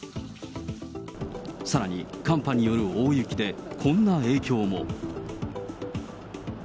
さらに寒波による大雪でこんな影響も。